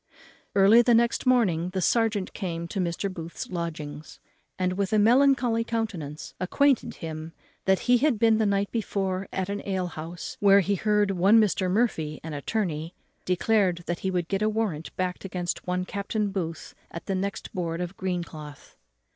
Early the next morning the serjeant came to Mr. Booth's lodgings, and with a melancholy countenance acquainted him that he had been the night before at an alehouse, where he heard one Mr. Murphy, an attorney, declare that he would get a warrant backed against one Captain Booth at the next board of greencloth.